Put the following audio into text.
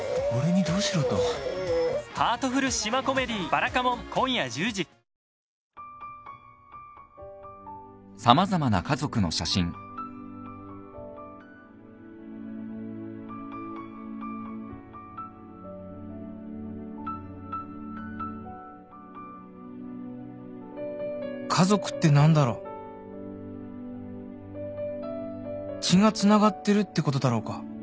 血がつながってるってことだろうか